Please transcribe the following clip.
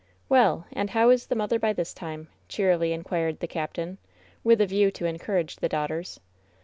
"Well ! And how is the mother by this time V^ cheer ily inquired the captain, with a view to encourage the daughters.